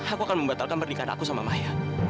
aku akan membatalkan pernikahan aku sama maya